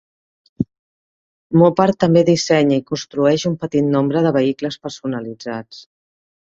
Mopar també dissenya i construeix un petit nombre de vehicles personalitzats.